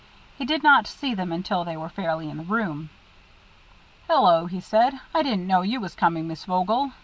He did not see them until they were fairly in the room. "Hello," he said; "I didn't know you was coming, Miss Vogel."